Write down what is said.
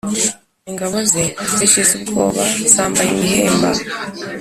ingabo ze zishize ubwoba zambaye imihemba